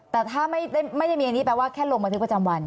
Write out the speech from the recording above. แต่ถ้าไม่ได้มีอันนี้แปลว่าแค่ลงบันทึกประจำวัน